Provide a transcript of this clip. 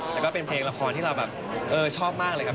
แล้วก็เป็นเพลงละครที่เราชอบมากเลย